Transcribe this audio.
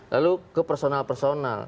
lalu ke personal personal